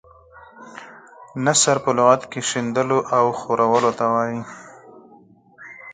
نثر په لغت کې شیندلو او خورولو ته وايي.